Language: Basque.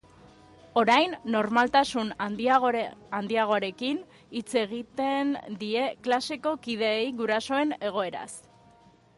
Orain normaltasun handiagoarekin hitz egiten die klaseko kideei gurasoen egoeraz.